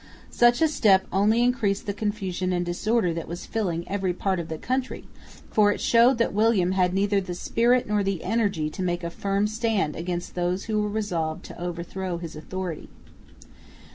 Such a step only increased the confusion and disorder that was filling every part of the country, for it showed that William had neither the spirit nor the energy to make a firm stand against those who were resolved to overthrow his authority.